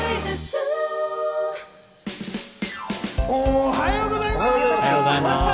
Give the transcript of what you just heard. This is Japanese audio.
おはようございます。